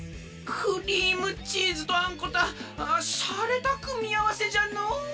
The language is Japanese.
クリームチーズとあんこたああしゃれたくみあわせじゃの。